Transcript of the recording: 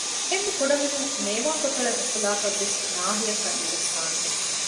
އެންމެ ކުޑަމިނުން މޭވާ ކޮތަޅެއް އުފުލާކަށް ވެސް ނާހިއަކަށް ނުޖައްސާނެ